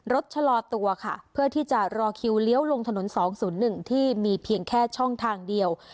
ชะลอตัวค่ะเพื่อที่จะรอคิวเลี้ยวลงถนน๒๐๑ที่มีเพียงแค่ช่องทางเดียว